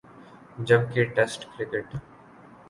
جب کہ test cricket